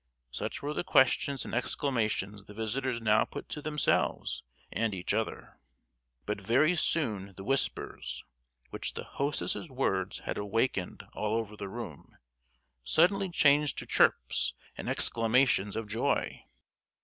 Such were the questions and exclamations the visitors now put to themselves and each other. But very soon the whispers which the hostess's words had awakened all over the room, suddenly changed to chirps and exclamations of joy.